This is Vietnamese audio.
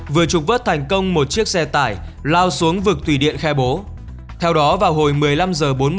vừa trục vớt thành công một chiếc xe tải lao xuống vực thủy điện khe bố theo đó vào hồi một mươi năm h bốn mươi